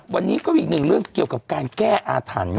วันนี้ก็อีกหนึ่งเรื่องเกี่ยวกับการแก้อาถรรพ์